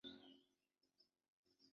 刘邦出征皆与樊哙一同。